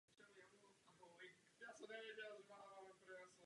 Dále se dělí dle dvou technologií.